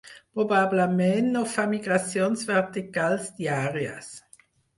Probablement, no fa migracions verticals diàries.